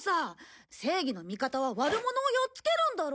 正義の味方は悪者をやっつけるんだろう？